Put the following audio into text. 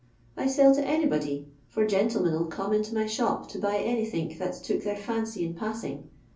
I sell to anybody, for gentlemen '11 come into my shop to buy anythink that 's took their fancy in passing.